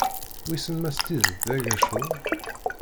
Wissen ma s tidet d agacur.